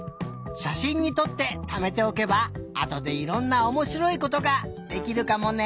しゃしんにとってためておけばあとでいろんなおもしろいことができるかもね。